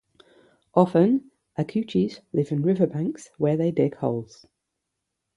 Often, acouchis live in riverbanks, where they dig holes.